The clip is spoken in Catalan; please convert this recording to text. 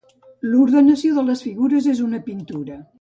L'ordenació de les figures en una pintura.